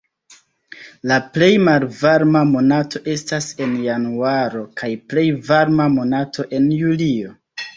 La plej malvarma monato estas en januaro kaj plej varma monato en julio.